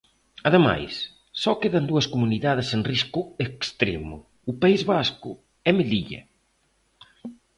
Ademais, só quedan dúas comunidades en risco extremo: o País Vasco e Melilla.